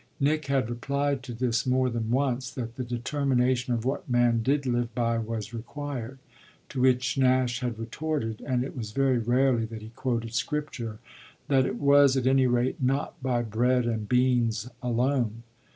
Nick had replied to this more than once that the determination of what man did live by was required; to which Nash had retorted (and it was very rarely that he quoted Scripture) that it was at any rate not by bread and beans alone.